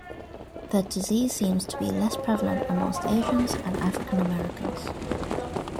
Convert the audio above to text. The disease seems to be less prevalent amongst Asians and African-Americans.